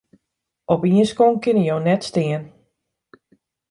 Op ien skonk kinne jo net stean.